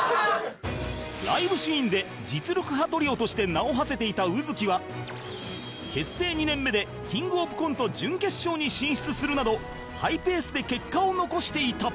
ライブシーンで実力派トリオとして名をはせていた卯月は結成２年目でキングオブコント準決勝に進出するなどハイペースで結果を残していた